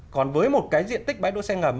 còn với một cái diện tích bãi đỗ xe ngầm